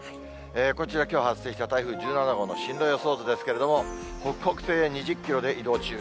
こちら、きょう発生した台風１７号の進路予想図ですけれども、北北西へ２０キロで移動中。